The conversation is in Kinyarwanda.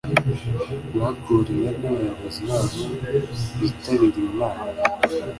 Bakuriwe n’ abayobozi babo bitabiriye inama